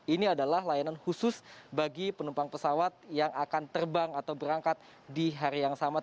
ini adalah layanan khusus bagi penumpang pesawat yang akan terbang atau berangkat di hari yang sama